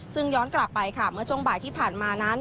ซึ่งย้อนกลับไปค่ะเมื่อช่วงบ่ายที่ผ่านมานั้น